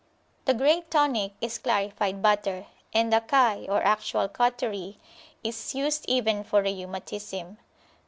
The great tonic is clarified butter, and the Kay, or actual cautery, is used even for rheumatism.